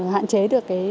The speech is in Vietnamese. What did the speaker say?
hạn chế được cái